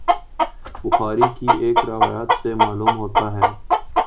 بخاری کی ایک روایت سے معلوم ہوتا ہے